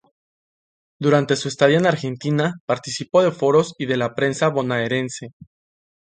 Durante su estadía en Argentina, participó de foros y de la prensa bonaerense.